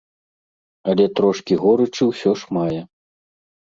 Але трошкі горычы ўсё ж мае.